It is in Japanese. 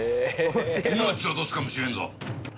命落とすかもしれんぞ。